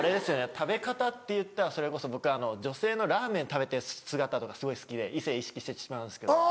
食べ方っていったらそれこそ僕女性のラーメン食べてる姿とかすごい好きで異性意識してしまうんですけど。